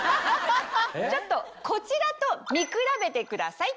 ちょっとこちらと見比べてください。